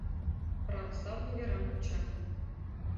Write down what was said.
Православный верам куча.